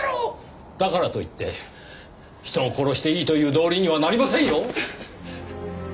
だからといって人を殺していいという道理にはなりませんよ！